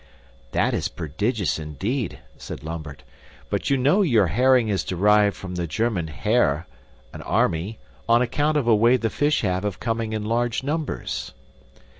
"That is prodigious, indeed," said Lambert, "but you know your herring is derived from the German heer, an army, on account of a way the fish have of coming in large numbers."